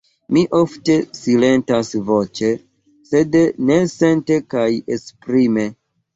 Mi ofte silentas voĉe, sed ne sente kaj esprime.